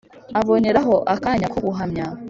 aboneraho akanya ko guhamya